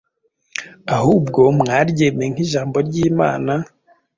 ahubwo mwaryemeye nk’ijambo ry’Imana,